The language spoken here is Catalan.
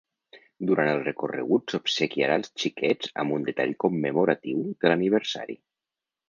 Durant el recorregut s’obsequiarà els xiquets amb un detall commemoratiu de l’aniversari.